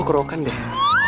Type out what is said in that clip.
lo kerokan deh